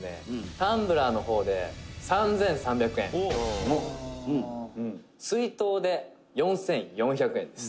タンブラーの方で３３００円」「水筒で４４００円です」